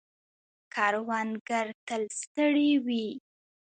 کروندگر تل ستړي وي.